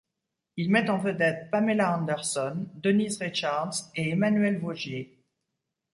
Il met en vedette Pamela Anderson, Denise Richards et Emmanuelle Vaugier.